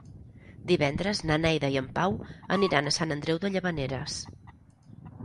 Divendres na Neida i en Pau aniran a Sant Andreu de Llavaneres.